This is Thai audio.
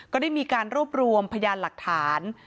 ก็ได้มีการรวบรวมพยานหลักฐาน